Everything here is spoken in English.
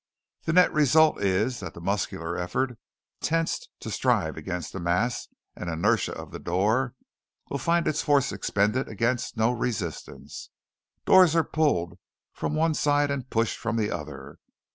The net result is that the muscular effort, tensed to strive against the mass and inertia of the door, will find its force expended against no resistance. Doors are pulled from one side and pushed from the other.